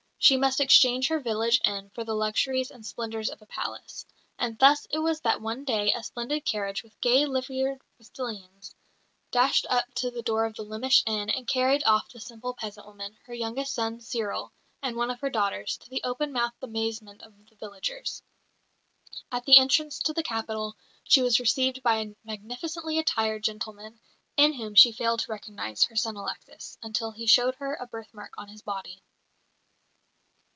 She must exchange her village inn for the luxuries and splendours of a palace. And thus it was that one day a splendid carriage, with gay liveried postillions, dashed up to the door of the Lemesh inn and carried off the simple peasant woman, her youngest son, Cyril, and one of her daughters, to the open mouthed amazement of the villagers. At the entrance to the capital she was received by a magnificently attired gentleman, in whom she failed to recognise her son Alexis, until he showed her a birthmark on his body.